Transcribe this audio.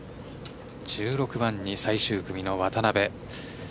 １６番に最終組の渡邉。